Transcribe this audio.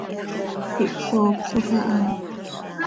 Ihpsooploj aha.